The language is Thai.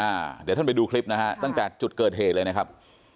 เดี๋ยวท่านไปดูคลิปนะฮะตั้งแต่จุดเกิดเหตุเลยนะครับ